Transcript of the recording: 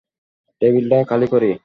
টেবিলটা খালি করি?